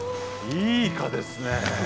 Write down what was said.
いいイカですね。